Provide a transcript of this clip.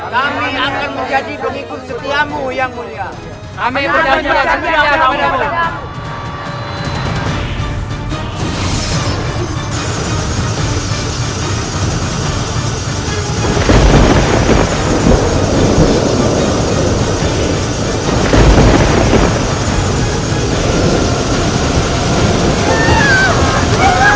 kami akan menjadi pengikut setiamu